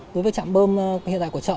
đối với trạm bơm hiện tại của chợ